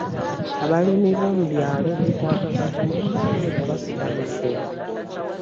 Abalimi b'omu byalo beetaga gavumenti okubasigamu ssente.